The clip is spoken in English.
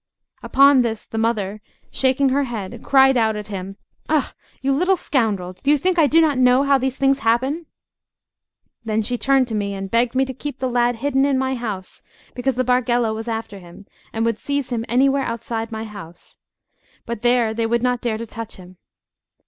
Upon this the mother, shaking her head, cried out at him: "Ah! you little scoundrel! Do you think I do not know how these things happen?" Then she turned to me, and begged me to keep the lad hidden in my house, because the Bargello was after him, and would seize him anywhere outside my house, but there they would not dare to touch him.